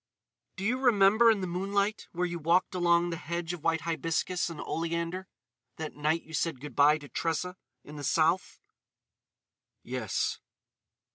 "Do you remember in the moonlight where you walked along the hedge of white hibiscus and oleander—that night you said good bye to Tressa in the South?" "Yes."